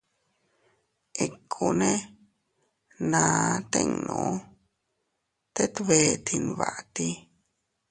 Ikkune naa tinnu, tet bee tinbatii.